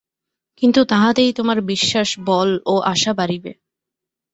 কিন্তু তাহাতেই তোমার বিশ্বাস, বল ও আশা বাড়িবে।